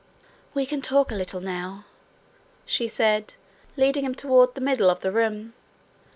'We can talk a little now,' she said, leading him toward the middle of the room.